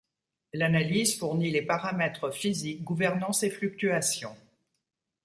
L'analyse fournit les paramètres physiques gouvernant ces fluctuations.